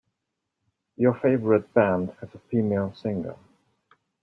Your favorite band has a female singer.